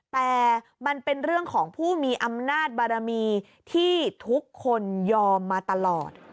แต่มันเป็นเรื่องของผู้มีอำนาจบารมีที่ทุกคนยอมมาตลอด